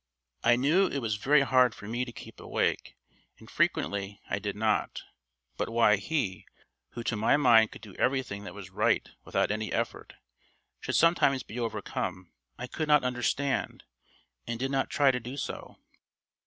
I know it was very hard for me to keep awake, and frequently I did not; but why he, who to my mind could do everything that was right without any effort, should sometimes be overcome, I could not understand, and did not try to do so.